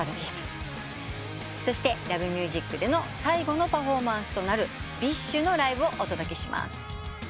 そして『Ｌｏｖｅｍｕｓｉｃ』での最後のパフォーマンスとなるＢｉＳＨのライブをお届けします。